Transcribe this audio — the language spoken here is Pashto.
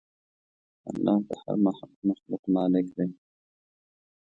الله د هر مخلوق مالک دی.